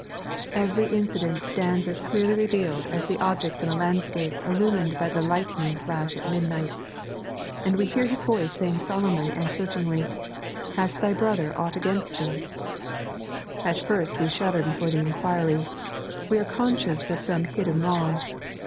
Every incident stands as clearly revealed as the objects in a landscape illumined by the lightning flash at midnight. And we hear His voice saying solemnly and searchingly, " Has thy brother aught against thee )" 3.n.iized by Google HuMAK Reasoning. 57 At first we shudder before the inquiry. We are con scious of some hidden wrong.